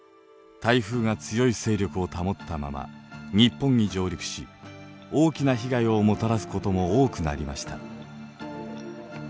台風が強い勢力を保ったまま日本に上陸し大きな被害をもたらすことも多くなりました。